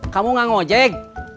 kamu gak mau jahit